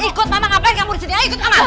ikut mama ngapain kamu disini ikut mama